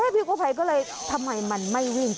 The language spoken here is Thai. พี่กู้ภัยก็เลยทำไมมันไม่วิ่ง